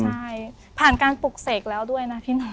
ใช่ผ่านการปลุกเสกแล้วด้วยนะพี่หน่อย